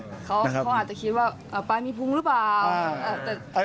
เขาอาจจะคิดว่าปลามีพุงหรือเปล่า